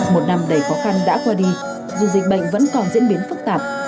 một năm đầy khó khăn đã qua đi dù dịch bệnh vẫn còn diễn biến phức tạp